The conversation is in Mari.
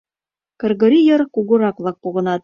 Кыргорий йыр кугурак-влак погынат.